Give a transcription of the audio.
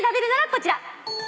こちら。